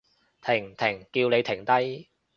停！停！叫你停低！